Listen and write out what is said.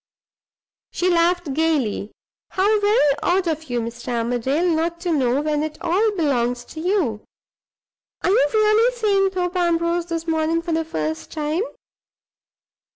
She laughed gayly. "How very odd of you, Mr. Armadale, not to know, when it all belongs to you! Are you really seeing Thorpe Ambrose this morning for the first time?